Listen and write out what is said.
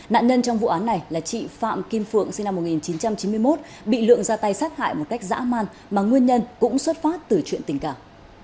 nạn nhân trong vụ án này là chị phạm kim phượng sinh năm một nghìn chín trăm chín mươi một bị lượng ra tay sát hại một cách dã man mà nguyên nhân cũng xuất phát từ chuyện tình cảm